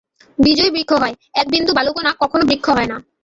বীজই বৃক্ষ হয়, একবিন্দু বালুকণা কখনও বৃক্ষ হয় না।